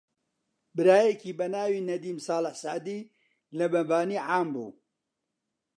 برایەکی بە ناوی نەدیم ساڵح سەعدی لە مەبانی عام بوو